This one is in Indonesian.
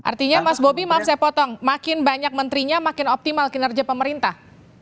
artinya mas bobi maaf saya potong makin banyak menterinya makin optimal kinerja pemerintah